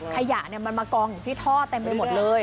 ขยะมันมากองอยู่ที่ท่อเต็มไปหมดเลย